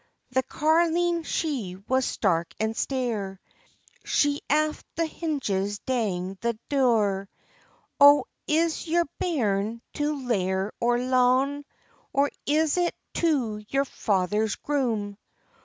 The carline she was stark and stare, She aff the hinges dang the dure. "O is your bairn to laird or loun, Or is it to your father's groom?"